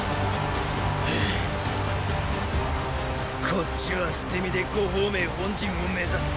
こっちは捨て身で呉鳳明本陣を目指す。